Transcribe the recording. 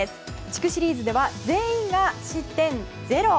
地区シリーズでは全員が失点ゼロ。